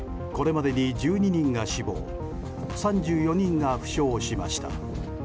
これまでに１２人が死亡３４人が負傷しました。